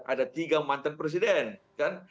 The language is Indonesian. ada tiga mantan presiden kan